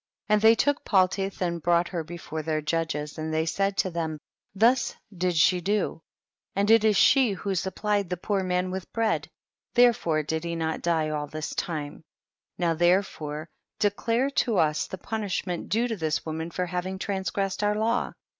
34. And they took Paltitli and brought her before their judges, and they said to them, thus did she do, and it is she who supplied the poor man with bread, therefore did he not die all this time ; now therefore declare to us the punishment due to this woman for having transgress ed our law.